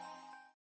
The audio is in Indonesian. ada foto keluarga